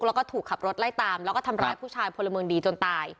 แล้วก็ถูกขับรถไล่ตามแล้วก็ทำร้ายผู้ชายพลเมืองดีจนตาย